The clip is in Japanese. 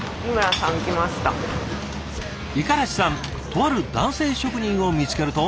五十嵐さんとある男性職人を見つけると。